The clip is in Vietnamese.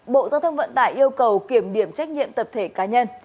bộ giao thông vận tải yêu cầu kiểm điểm trách nhiệm tập thể cá nhân